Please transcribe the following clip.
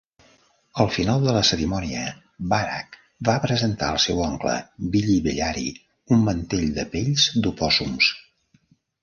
Al final de la cerimònia, Barak va presentar al seu oncle, Billibellary, un mantell de pells d'opòssums.